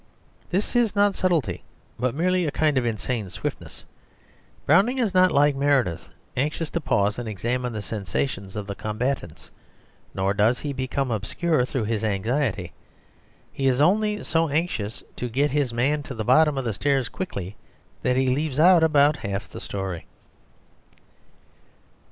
This is not subtlety, but merely a kind of insane swiftness. Browning is not like Meredith, anxious to pause and examine the sensations of the combatants, nor does he become obscure through this anxiety. He is only so anxious to get his man to the bottom of the stairs quickly that he leaves out about half the story.